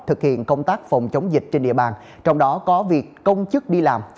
thực hiện công tác phòng chống dịch trên địa bàn trong đó có việc công chức đi làm